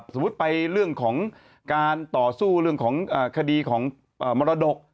สมมุติไปเรื่องของการต่อสู้เรื่องของคดีของมรดก